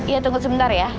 iya tunggu sebentar ya